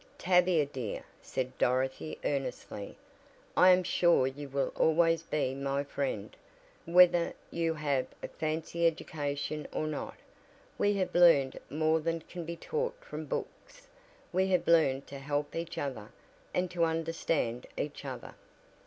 "Tavia dear," said Dorothy earnestly, "I am sure you will always be my friend, whether you have a fancy education or not. We have learned more than can be taught from books we have learned to help each other, and to understand each other."